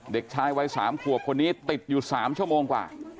เด็กชายวัย๓ขวบคนนี้ติดอยู่๓ชั่วโมงกว่า